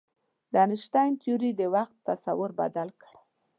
د انیشتین تیوري د وخت تصور بدل کړ.